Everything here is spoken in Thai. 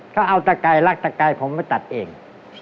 เขาเอาตะไก่รักตะกายผมมาตัดเอง